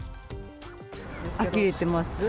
あきれてます。